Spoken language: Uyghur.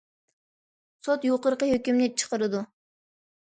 سوت يۇقىرىقى ھۆكۈمنى چىقىرىدۇ.